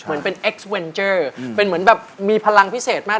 เหมือนเป็นเอ็กซ์เวนเจอร์เป็นเหมือนแบบมีพลังพิเศษมาก